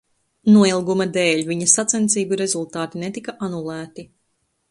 Noilguma dēļ viņa sacensību rezultāti netika anulēti.